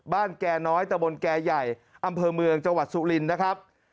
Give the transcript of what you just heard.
แก่น้อยตะบนแก่ใหญ่อำเภอเมืองจังหวัดสุรินทร์นะครับ